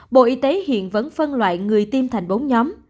bộ y tế hiện vẫn phân loại người tiêm thành bốn nhóm